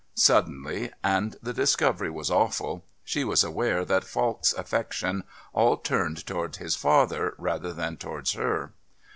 Suddenly and the discovery was awful she was aware that Falk's affection all turned towards his father rather than towards her.